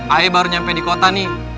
ayah baru nyampe di kota nih